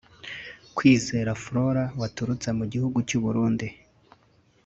Kwizera Flora waturutse mu gihugu cy’u Burundi